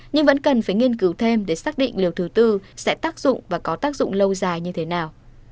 nhưng vẫn cần phải nghiên cứu thêm để xác định liều thứ tư sẽ tác dụng và có tác dụng lâu dài như thế nào